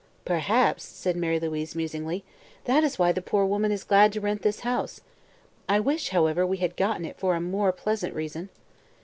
"Perhaps," said Mary Louise musingly, "that is why the poor woman is glad to rent this house. I wish, however, we had gotten it for a more pleasant reason."